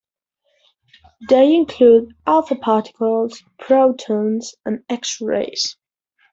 They include alpha particles, protons, and X-rays.